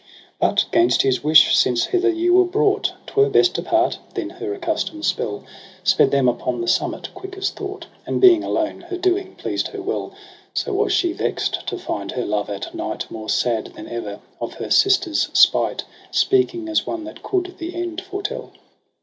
28 ' But 'gainst his wish since hither ye were brought 'Twere best depart.' Then her accustom'd spell Sped them upon the summit quick as thought ; And being alone her doing pleased her well : So was she vext to find her love at night More sad than ever, of her sisters' spite Speaking as one that coud the end foretell.